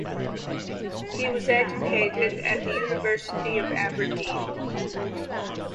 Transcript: He was educated at the University of Aberdeen.